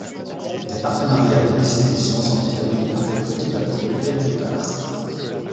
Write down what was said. Des partenariats de distribution sont établis avec Petit Bateau bien plus tard.